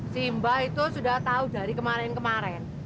si mba itu sudah tahu dari kemarin kemarin